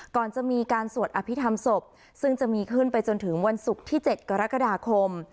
ก่อนจะมีการสวดอภิษฐรรมศพซึ่งจะมีขึ้นไปจนถึงวันศุกร์ที่๗กรกฎาคม